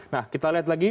nah kita lihat lagi